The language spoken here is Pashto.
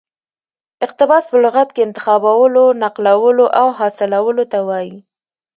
اقتباس په لغت کښي انتخابولو، نقلولو او حاصلولو ته وايي.